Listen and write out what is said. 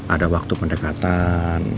ada waktu pendekatan